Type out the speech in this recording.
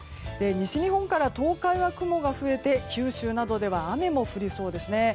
西日本から東海は雲が増えて九州などでは雨も降りそうですね。